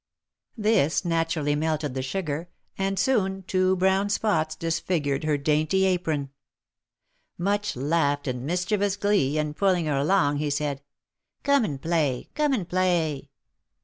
This naturally melted the sugar, and soon two brown spots disfigured her dainty apron. Much laughed in mischievous glee, and pulling her along, he said : Come and play ! come and play